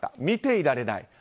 見ていられない。